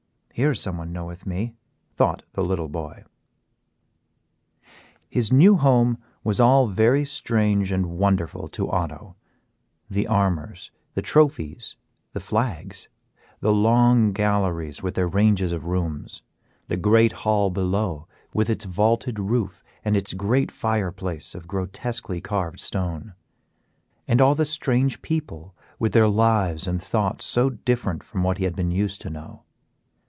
"Here is someone knoweth me," thought the little boy. His new home was all very strange and wonderful to Otto; the armors, the trophies, the flags, the long galleries with their ranges of rooms, the great hall below with its vaulted roof and its great fireplace of grotesquely carved stone, and all the strange people with their lives and thoughts so different from what he had been used to know.